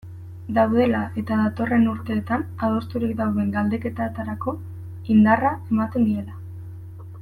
Daudela eta datorren urteetan adosturik dauden galdeketetarako indarra ematen diela.